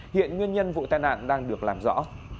hiện nguyên nhân vụ tai nạn đang được làm rõ